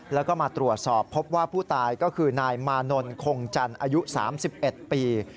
แล้วก็มาตรวจสอบพบว่าผู้ตายก็คือนายมานนท์คงจันทร์อายุ๓๑ปี